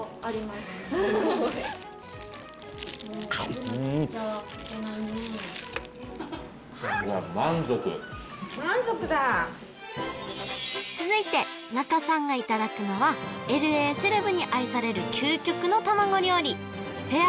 すごい満足だ続いて仲さんがいただくのはＬＡセレブに愛される究極の卵料理フェア